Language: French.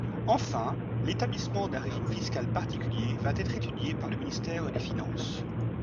Enfin, l’établissement d’un régime fiscal particulier va être étudié par le ministère des finances.